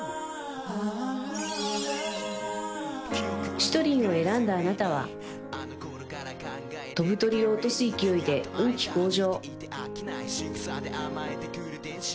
シトリンを選んだあなたは飛ぶ鳥を落とす勢いで運気向上